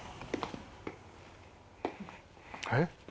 えっ？